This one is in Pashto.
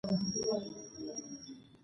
ژورې سرچینې د افغانانو د معیشت سرچینه ده.